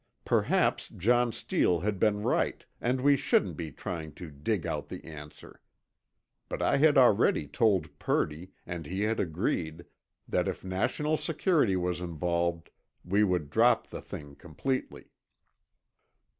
Perhaps John Steele had been right, and we shouldn't be trying to dig out the answer. But I had already told Purdy, and he had agreed, that if national security was involved, we would drop the thing completely.